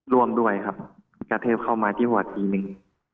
ร่วมด้วยครับกระเทิบเข้ามาที่หัวทีหนึ่ง